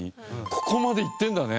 ここまで行ってるんだね。